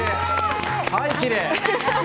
はい、きれい。